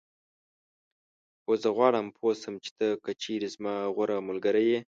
اوس زه غواړم پوی شم چې ته که چېرې زما غوره ملګری یې